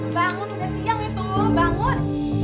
bangun udah siang itu bangun